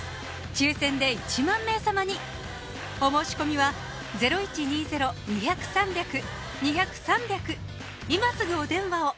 抽選で１万名様にお申し込みは今すぐお電話を！